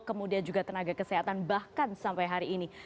kemudian juga tenaga kesehatan bahkan sampai hari ini